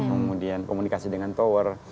kemudian komunikasi dengan tower